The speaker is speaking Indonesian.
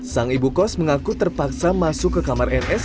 sang ibu kos mengaku terpaksa masuk ke kamar ns